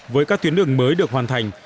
với các tuyến đường mới được hoàn thành